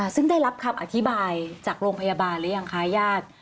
ซึ่งได้รับคำอธิบายจากโรงพยาบาลหรือยังคะญาติ